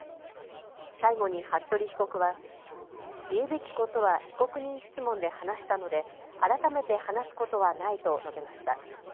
最後に服部被告は言うべきことは被告人質問で話したので改めて話すことはないと述べました。